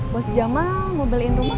bos jamal mau beliin rumah mas